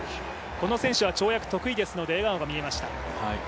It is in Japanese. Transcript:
この選手は跳躍得意ですので笑顔が見えました。